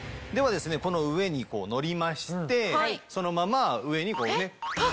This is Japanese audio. ではこの上に乗りましてそのまま上にこうね。